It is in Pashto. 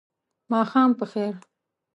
ماښام په خیر !